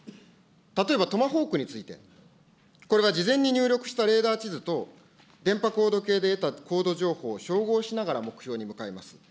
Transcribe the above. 例えばトマホークについて、これは事前に入力したレーダー地図と電波高度計で得た高度情報を照合しながら目標に向かいます。